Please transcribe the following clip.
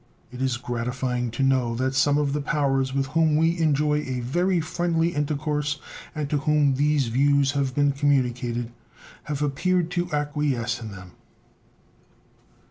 It is gratifying to know that some of the powers with whom we enjoy a very friendly intercourse, and to whom these views have been communicated, have appeared to acquiesce in them.